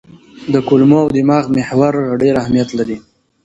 د کولمو او دماغ محور ډېر اهمیت لري.